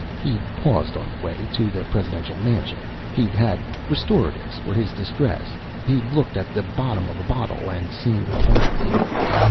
He'd paused on the way to the presidential mansion. He'd had restoratives for his distress. He'd looked at the bottom of a bottle and seen the facts.